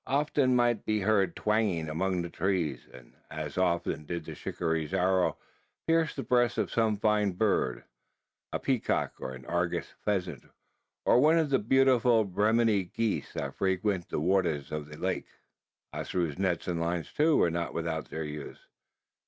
Often might it be heard twanging among the trees; and as often did the shikaree's arrow pierce the breast of some fine bird a peacock, or argus pheasant, or one of the beautiful Brahminy geese that frequented the waters of the lake. Ossaroo's nets and lines, too, were not without their use.